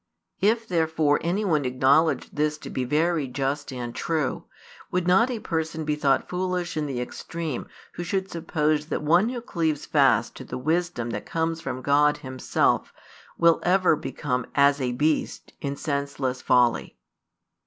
If therefore any one acknowledged this to be very just and true, would not a person be thought foolish in the extreme who should suppose that one who cleaves fast to the wisdom that comes from God Himself will ever become as a beast in senseless folly?